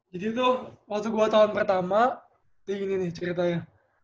jadi itu waktu gue tahun pertama ini nih ceritanya